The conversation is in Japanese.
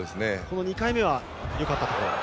２回目は、よかったところは。